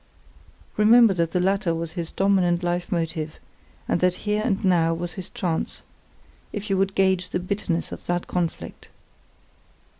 Remember that the latter was his dominant life motive, and that here and now was his chance—if you would gauge the bitterness of that conflict.